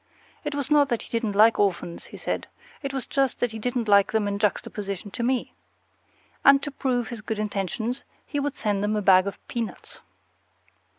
It was not that he didn't like orphans, he said; it was just that he didn't like them in juxtaposition to me. And to prove his good intentions, he would send them a bag of peanuts.